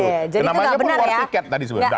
namanya war tiket tadi sebenarnya